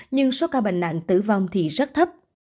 nhưng số ca bệnh nặng tử vong thì rất thấp